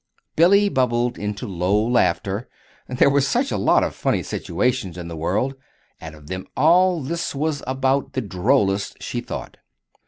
Billy bubbled into low laughter there were such a lot of funny situations in the world, and of them all this one was about the drollest, she thought.